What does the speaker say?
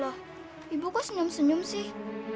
ya ibu kok senyum senyum sih